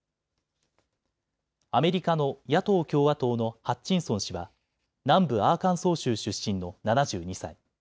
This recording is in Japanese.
アメリカの野党共和党のハッチンソン氏は南部アーカンソー州出身の７２歳。